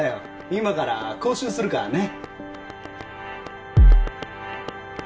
今から講習するからね。